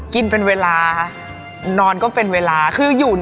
กินเป็นเวลานอนก็เป็นเวลาคืออยู่